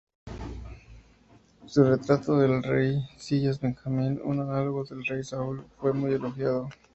Su retrato del Rey Silas Benjamín, un análogo del rey Saúl, fue muy elogiado.